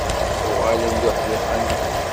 Uɣalen d uḥdiqen.